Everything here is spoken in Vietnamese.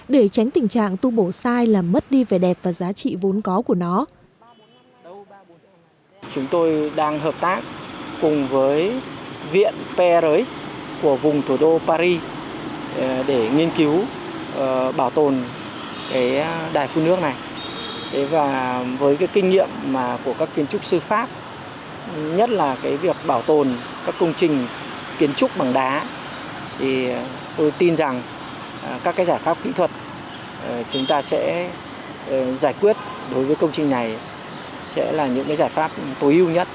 để tránh tình trạng tu bổ sai làm mất đi về đẹp và giá trị vốn có của nó